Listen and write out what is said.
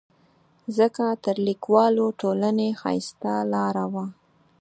ځکه تر لیکوالو ټولنې ښایسته لاره وه.